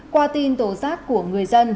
qua tin tổ giác của người dân